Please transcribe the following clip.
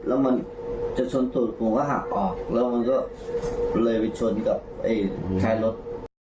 แล้วมันจะชนตูดผมก็หักออกแล้วมันก็เลยไปชนกับไอ้ท้ายรถ